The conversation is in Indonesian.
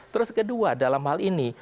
terus kedua dalam hal ini